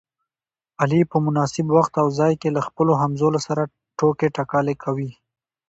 علي په مناسب وخت او ځای کې له خپلو همځولو سره ټوکې ټکالې کوي.